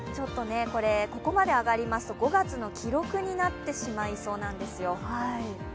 ここまで上がりますと５月の記録になってしまいそうなんですよ。